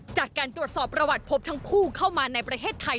จากการตรวจสอบประวัติพบทั้งคู่เข้ามาในประเทศไทย